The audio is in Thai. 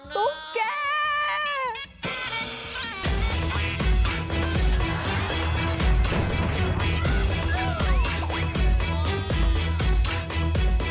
ตุ๊กแก